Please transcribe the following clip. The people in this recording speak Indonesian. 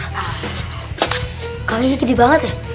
kakinya gede banget ya